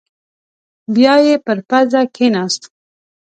بيايې پر پزه کېناست.